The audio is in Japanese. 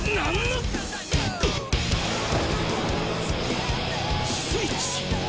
スイッチ！